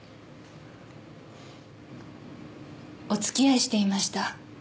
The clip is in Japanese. お付き合いしていました。